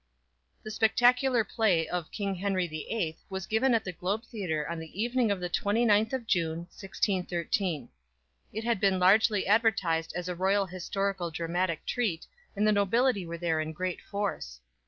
The spectacular play of "King Henry the Eighth" was given at the Globe Theatre on the evening of the 29th of June, 1613. It had been largely advertised as a royal historical dramatic treat, and the nobility were there in great force.